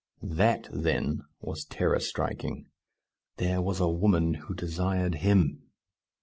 That then was terror striking. There was a woman who desired him!